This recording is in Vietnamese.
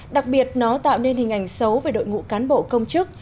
đặc biệt nó tạo nên hình ảnh xấu về đội ngũ cán bộ công chức